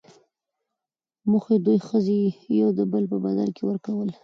موخۍ، دوې ښځي يو دبل په بدل کي ورکول.